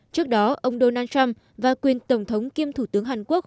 trước đó ông donald trump và quyền tổng thống kiêm thủ tướng hàn quốc